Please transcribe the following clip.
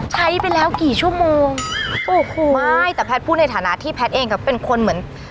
ใช้ไปแล้วกี่ชั่วโมงโอ้โหไม่แต่แพทย์พูดในฐานะที่แพทย์เองก็เป็นคนเหมือน